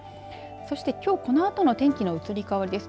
そして、きょう、このあとの天気の移り変わりです。